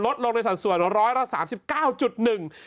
ลดลงในสัดส่วนร้อยละสามสิบเก้าจุดหนึ่ง